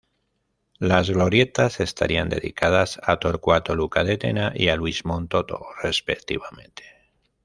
Las glorietas estarían dedicadas a Torcuato Luca de Tena y a Luis Montoto respectivamente.